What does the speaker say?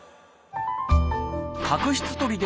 角質とりで